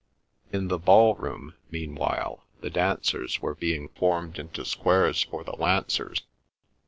In the ballroom, meanwhile, the dancers were being formed into squares for the lancers.